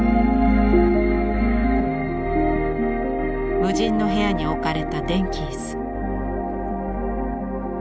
無人の部屋に置かれた電気椅子。